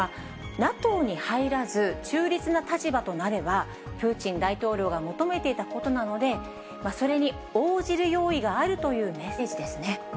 ＮＡＴＯに入らず、中立な立場となれば、プーチン大統領が求めていたことなので、それに応じる用意があるというメッセージですね。